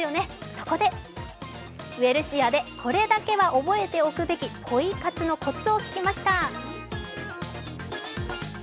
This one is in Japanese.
そこでウエルシアでこれだけは覚えておくべきポイ活のこつを聞きました。